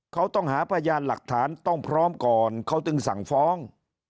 เขาต้องหาพยานหลักฐานต้องพร้อมก่อนเขาจึงสั่งฟ้อง